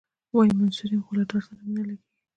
وايي منصور یم خو له دار سره مي نه لګیږي.